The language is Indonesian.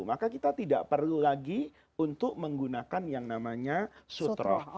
maka kita tidak perlu lagi untuk menggunakan yang namanya sutroh